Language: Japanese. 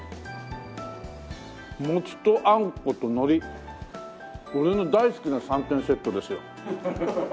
餅とあんこと海苔俺の大好きな３点セットですよ。